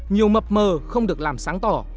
nhiều mập mờ không được làm sáng tỏ